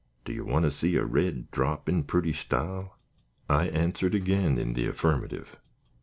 "Do you want to see a red drop in purty style?" I answered again in the affirmative.